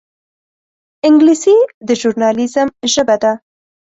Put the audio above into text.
انګلیسي د ژورنالېزم ژبه ده